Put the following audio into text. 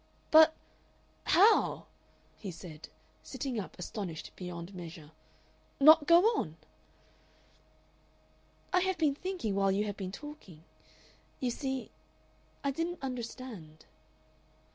"But, how," he said, sitting up astonished beyond measure, "not go on?" "I have been thinking while you have been talking. You see I didn't understand."